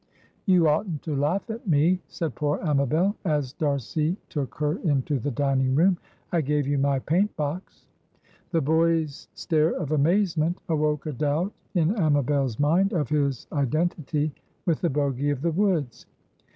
"You oughtn't to laugh at me," said poor Amabel, as D'Arcy took her into the dining room, "I gave you my paint box." The boy's stare of amazement awoke a doubt in Amabel's mind of his identity with the Bogy of the woods.